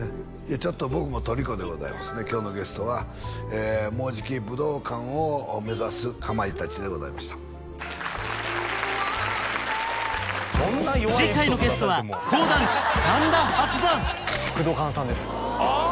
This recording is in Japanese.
ちょっと僕もとりこでございますね今日のゲストはもうじき武道館を目指すかまいたちでございました次回のゲストは講談師神田伯山クドカンさんですああ！